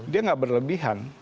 dia gak berlebihan